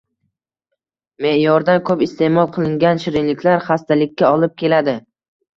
Me’yordan ko‘p iste’mol qilingan shirinliklar xastalikka olib keladi.